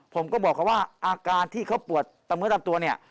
ผมก็บอกเขาว่าอาการที่เขาปวดตะเมื่อตามตัวเนี่ย